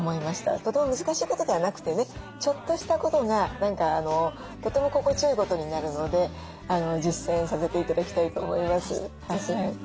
とても難しいことではなくてねちょっとしたことが何かとても心地よいことになるので実践させて頂きたいと思います。